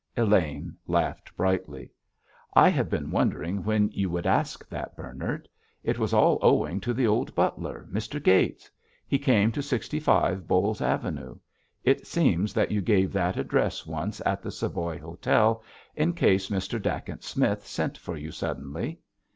Elaine laughed brightly. "I have been wondering when you would ask that, Bernard. It was all owing to the old butler, Mr. Gates. He came to 65, Bowles Avenue. It seems that you gave that address once at the Savoy Hotel in case Mr. Dacent Smith sent for you suddenly.